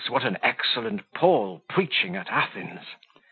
what an excellent Paul preaching at Athens!"